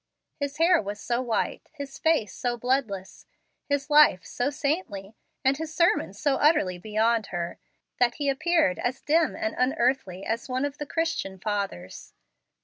His hair was so white, his face so bloodless, his life so saintly, and his sermons so utterly beyond her, that he appeared as dim and unearthly as one of the Christian Fathers.